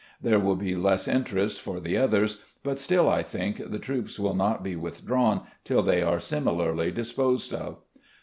There will be less interest for the others, but still I think the troops will not be withdrawn till they are similarly disposed of.